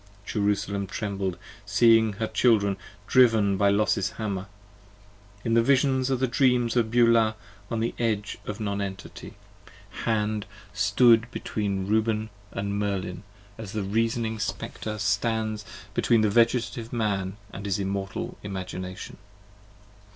Jerusalem trembled seeing her Children driv'n by Los's Hammer, In the visions of the dreams of Beulah, on the edge of Non Entity. 40 Hand stood between Reuben & Merlin, as the Reasoning Spectre Stands between the Vegetative Man & his Immortal Imagination.